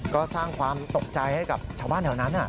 ก็สร้างความตกใจให้กับชาวบ้านแถวนั้น